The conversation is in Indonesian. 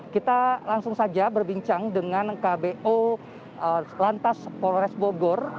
kita langsung saja berbincang dengan kbo lantas polres bogor